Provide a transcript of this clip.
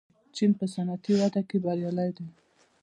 چین په صنعتي وده کې بریالی دی.